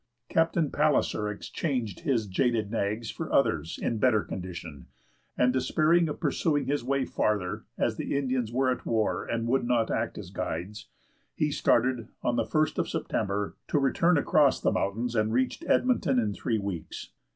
Captain Palliser exchanged his jaded nags for others in better condition, and despairing of pursuing his way farther, as the Indians were at war and would not act as guides, he started, on the first of September, to return across the mountains, and reached Edmonton in three weeks.